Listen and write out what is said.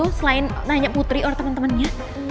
ngapain nanya putri or temen temennya